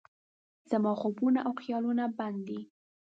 زما خوبونه او خیالونه بند دي